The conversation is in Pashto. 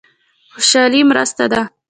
خوشالي مرسته ده.